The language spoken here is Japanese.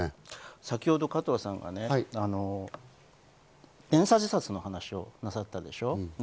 先ほど加藤さんがね、連鎖自殺の話されたでしょ。